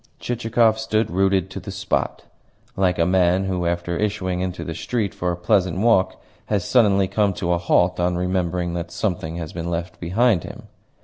Chichikov stood rooted to the spot, like a man who, after issuing into the street for a pleasant walk, has suddenly come to a halt on remembering that something has been left behind him.